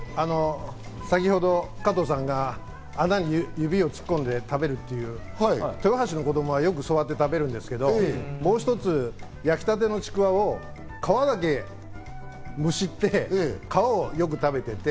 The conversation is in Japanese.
先ほど加藤さんが穴に指を突っ込んで食べる、豊橋の子供はよくそうやって食べるんですけど、もう一つ、焼きたてのちくわを皮だけむしって、皮をよく食べていて。